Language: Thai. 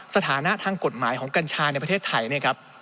สถานะทางกฎหมายของกัญชาในประเทศไทยเนี่ยครับ